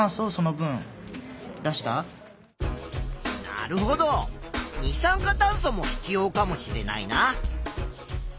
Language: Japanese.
なるほど二酸化炭素も必要かもしれないな。